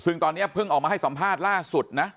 ซึ่งตอนนี้เพิ่งออกมาให้สัมภาษณ์ล่าสุดนะ